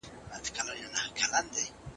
ځکه وايي « چي خپل عیب د ولي منځ دی